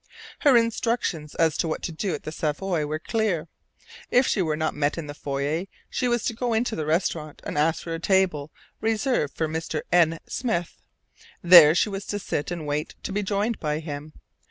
Her instructions as to what to do at the Savoy were clear. If she were not met in the foyer, she was to go into the restaurant and ask for a table reserved for Mr. N. Smith. There she was to sit and wait to be joined by him.